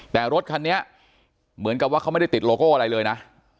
แต่รถคันนี้เหมือนกับว่าเขาไม่ได้ติดโลโก้อะไรเลยนะ